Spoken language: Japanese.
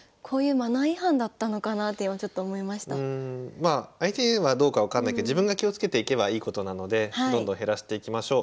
まあ相手はどうか分かんないけど自分が気をつけていけばいいことなのでどんどん減らしていきましょう。